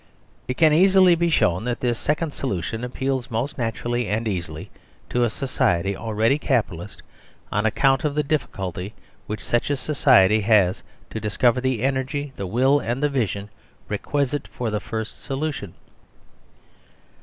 It can easily be shown that this second solution appeals most naturally and easily to a society al ready Capitalist on account of the difficulty which" such a society has to discover the energy, the will, and the vision requisite for the first solution.